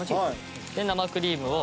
で生クリームを。